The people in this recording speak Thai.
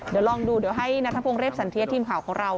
เดี๋ยวลองดูเดี๋ยวให้นัทพงศ์เรียบสันเทียทีมข่าวของเรา